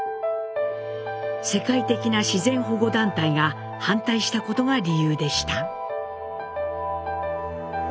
世界的な自然保護団体が反対したことが理由でした。